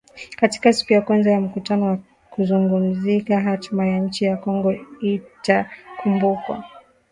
katika siku ya kwanza ya mkutano wa kuzungumzia hatma ya nchi ya Kongo itakumbukwa